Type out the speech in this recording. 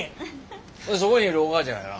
そこにいるお母ちゃんはな